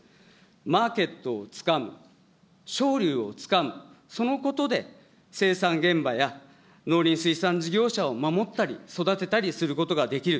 マーケットをつかむ、商流をつかむ、そのことで、生産現場や農林水産事業者を守ったり、育てたりすることができる。